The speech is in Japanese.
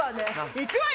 行くわよ！